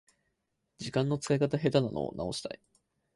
時間の使い方が下手なのを直したい